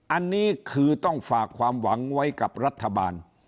อันนี้คือต้องฝากความหวังไว้กับรัฐบาล